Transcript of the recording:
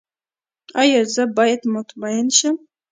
ایا زه باید مطمئن شم؟